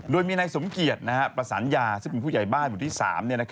โดยมีนายสมเกียจประสัญญาซึ่งเป็นผู้ใหญ่บ้านหมู่ที่๓